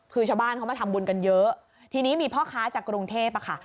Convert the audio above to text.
คือชาวบ้านเขามาทำบุญกันเยอะทีนี้มีพ่อค้าจากกรุงเทพอ่ะค่ะ